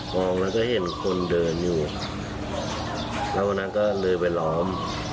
องแล้วก็เห็นคนเดินอยู่แล้ววันนั้นก็เลยไปล้อม